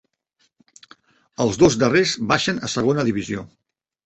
Els dos darrers baixen a segona divisió.